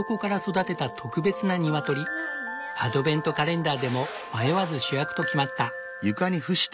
アドベントカレンダーでも迷わず主役と決まった。